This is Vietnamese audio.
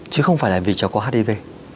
chứ không phải là vì cháu có hdv